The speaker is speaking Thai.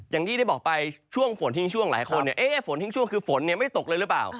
อย่างที่ได้บอกไปช่วงฝนทิ้งช่วงหลายคนฝนทิ้งช่วงคือฝนไม่ตกเลยหรือเปล่า